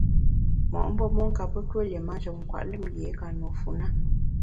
Mo’mbe mon kape tue lié manjem nkwet lùm yié i ka nùe fu na.